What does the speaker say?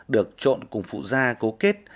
được trộn cùng phụ ra cố kết